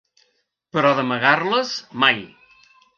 Però d’amagar-les, mai.